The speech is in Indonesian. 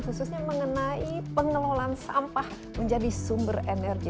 khususnya mengenai pengelolaan sampah menjadi sumber energi